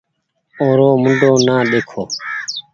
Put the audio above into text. اورو منڍو نآ ۮيکو